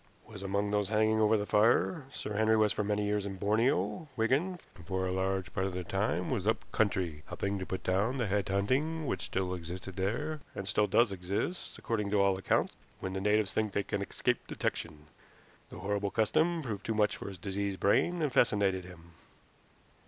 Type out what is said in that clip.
"Was among those hanging over the fire. Sir Henry was for many years in Borneo, Wigan, and for a large part of the time was up country helping to put down the head hunting which still existed there, and still does exist, according to all accounts, when the natives think they can escape detection. The horrible custom proved too much for his diseased brain, and fascinated him.